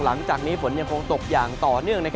หลังจากนี้ฝนยังคงตกอย่างต่อเนื่อง